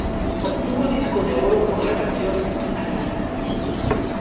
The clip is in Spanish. Obtuvo Disco de Oro por la canción "Anita".